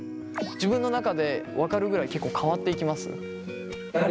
自分の中で分かるぐらい結構変わっていきます？